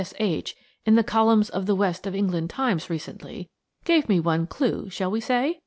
S. H. in the columns of the West of England Times recently, gave me one clue, shall we say?